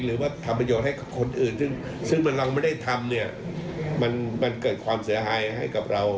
หรือว่าทำประโยชน์ให้คนอื่นซึ่งซึ่งเราไม่ได้ทำเนี่ยมันเกิดความเสียหายให้กับเรา